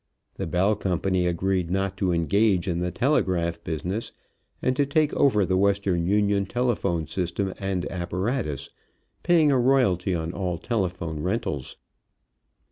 The Bell company agreed not to engage in the telegraph business and to take over the Western Union telephone system and apparatus, paying a royalty on all telephone rentals.